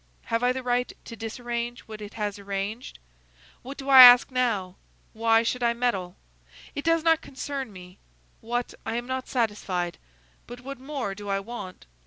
Have I the right to disarrange what it has arranged? What do I ask now? Why should I meddle? It does not concern me; what! I am not satisfied: but what more do I want?